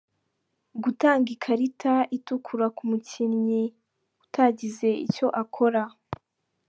Gutanga ikarita itukura ku mukinnyi utagize icyo akora.